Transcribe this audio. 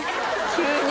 急に。